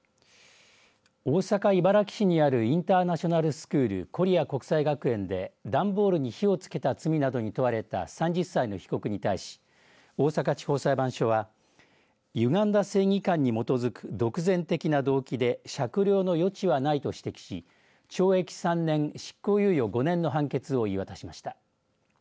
大阪、茨木市にあるインターナショナルスクールコリア国際学園で段ボールに火をつけた罪などに問われた３０歳の被告に対し大阪地方裁判所はゆがんだ正義感に基づく独善的な動機で酌量の余地はないと指摘し懲役３年、執行猶予５年の判決を言い渡しました。